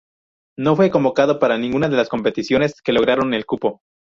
No fue convocado para ninguna de las competiciones que lograron el cupo.